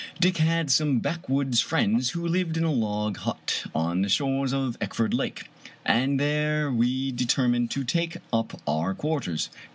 Dick had some backwoods friend who lived in a log hut on the shores of Eckford Lake, and there we determined to take up our quarters.